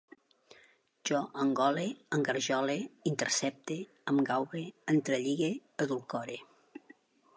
Jo engole, engarjole, intercepte, em gaube, entrelligue, edulcore